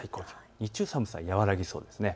日中、寒さ和らぎそうです。